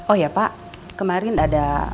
oh ya pak kemarin ada